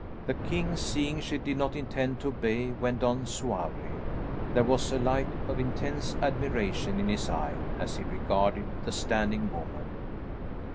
The king, seeing she did not intend to obey, went on suavely. There was a light of intense admiration in his eye as he regarded the standing woman.